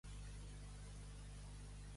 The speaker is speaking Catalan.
A la barba del boig tothom aprèn a rapar.